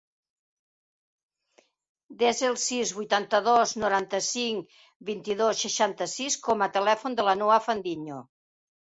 Desa el sis, vuitanta-dos, noranta-cinc, vint-i-dos, seixanta-sis com a telèfon de la Noa Fandiño.